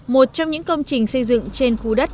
một trong những công trình xây dựng trên khu đất